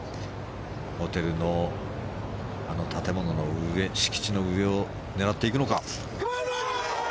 ホテルの建物の上敷地の上を狙っていくのか。